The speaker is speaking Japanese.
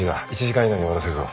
１時間以内に終わらせるぞ。